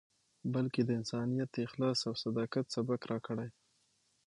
بلکې د انسانیت، اخلاص او صداقت، سبق راکړی.